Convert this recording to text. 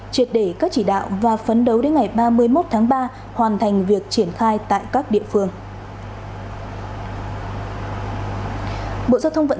triệt để các chỉ đạo và phấn đấu đến ngày